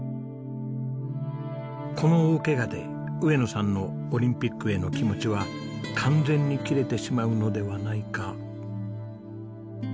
この大ケガで上野さんのオリンピックへの気持ちは完全に切れてしまうのではないか。